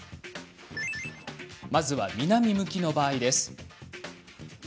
まずは南向きの場合。